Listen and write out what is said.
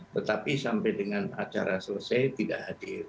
tetapi sampai dengan acara selesai tidak hadir